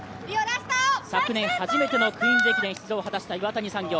昨年初めてのクイーンズ駅伝出場を果たした岩谷産業。